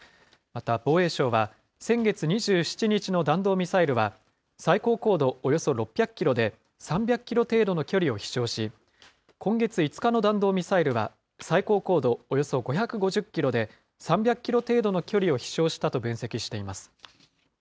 また防衛省は、先月２７日の弾道ミサイルは、最高高度およそ６００キロで、３００キロ程度の距離を飛しょうし、今月５日の弾道ミサイルは、最高高度およそ５５０キロで、３００キロ程度の距離を飛しょうしたと分析しています。